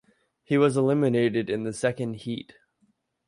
He was eliminated in the second heat.